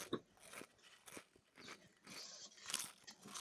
不时拍拍她